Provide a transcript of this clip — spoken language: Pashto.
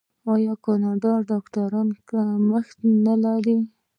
آیا کاناډا د ډاکټرانو کمښت نلري؟